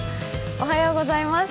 おはようございます。